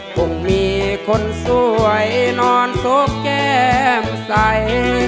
คงมีคนสวยนอนซบแก้มใส